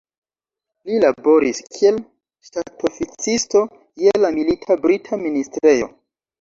Li laboris, kiel ŝtatoficisto je la milita brita ministrejo.